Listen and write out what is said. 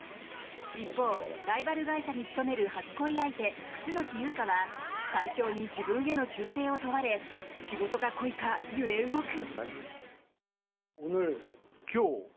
一方、ライバル会社に勤める初恋相手、楠木優香は会長に自分への忠誠を問われ仕事か恋か、揺れ動く。